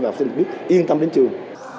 và học sinh được biết yên tâm đến trường